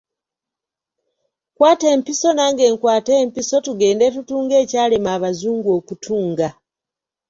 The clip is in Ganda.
Kwata empiso nange nkwate empiso tugende tutunge ekyalema abazungu okutunga.